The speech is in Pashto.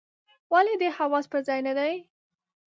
ولي دي حواس پر ځای نه دي ؟